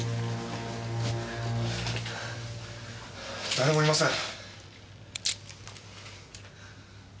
誰もいません。